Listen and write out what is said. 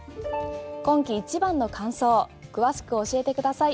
今季一番の乾燥詳しく教えてください。